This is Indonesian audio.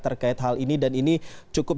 terkait hal ini dan ini cukup